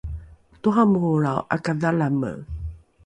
toramorolrao ’akadhalame